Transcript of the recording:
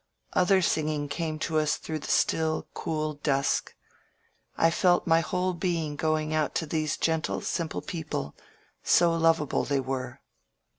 .. Other singing came to us through the still, cool dusk. I felt my whole feeling going out to these gentle, simple peo ple — so lovable they were.